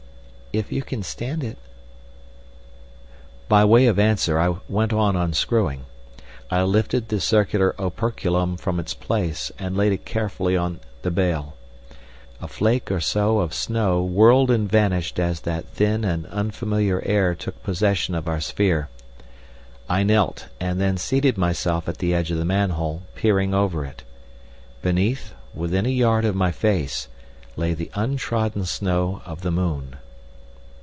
"If you can stand it." By way of answer I went on unscrewing. I lifted the circular operculum from its place and laid it carefully on the bale. A flake or so of snow whirled and vanished as that thin and unfamiliar air took possession of our sphere. I knelt, and then seated myself at the edge of the manhole, peering over it. Beneath, within a yard of my face, lay the untrodden snow of the moon.